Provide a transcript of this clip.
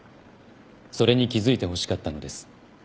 それに気付いてほしかったのです。